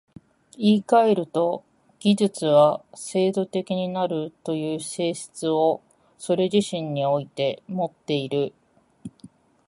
言い換えると、技術は制度的になるという性質をそれ自身においてもっている。